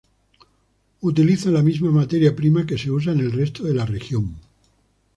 Utilizan la misma materia prima que se usa en el resto de la región.